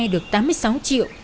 được tám mươi sáu triệu